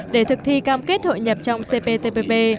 để thực thi cam kết hội nhập trong cptpp